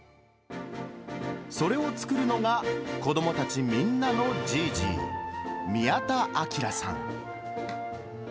それを作るのが、子どもたちみんなのじぃーじぃー、宮田明さん。